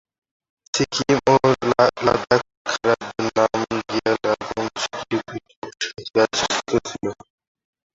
সিকিম ও লাদাখ রাজ্য নামগিয়াল রাজবংশের দুটি পৃথক শাখা দ্বারা শাসিত ছিল।